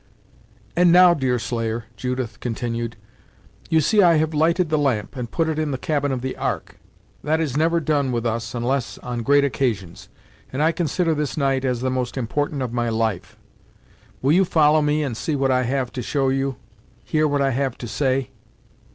"And now, Deerslayer," Judith continued, "you see I have lighted the lamp, and put it in the cabin of the Ark. That is never done with us, unless on great occasions, and I consider this night as the most important of my life. Will you follow me and see what I have to show you hear what I have to say."